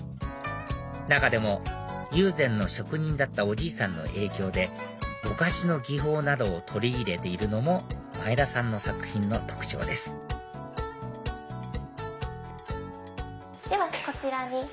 中でも友禅の職人だったおじいさんの影響でぼかしの技法などを取り入れているのも前田さんの作品の特徴ですではこちらに。